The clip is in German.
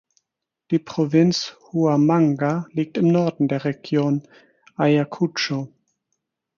Die Provinz Huamanga liegt im Norden der Region Ayacucho.